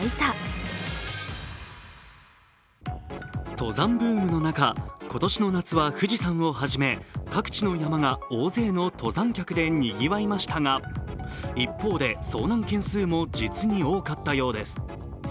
登山ブームの中、今年の夏は富士山をはじめ各地の山が大勢の登山客でにぎわいましたが一方で遭難件数も実に多かったようです。